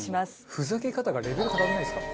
「ふざけ方がレベル高くないですか？」